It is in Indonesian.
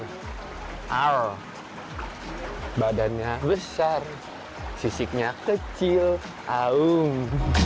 ikan bawal badannya besar sisiknya kecil aung